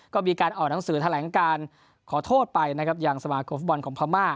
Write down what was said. ก็มีการออกหนังสือแถลงการขอโทษไปนะครับอย่างสมาคมฟุตบอลของพม่า